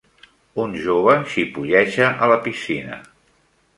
Un jove xipolleja a la piscina.